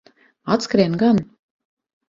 Atskrien gan.